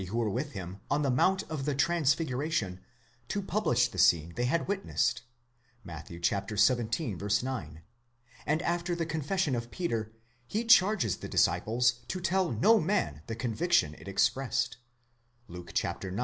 287 who were with him on the mount of the Transfiguration, to publish the scene they had witnessed (Matt. xvii. 9); and after the confession of Peter, he charges the disciples to tell no man the conviction it expressed (Luke ix.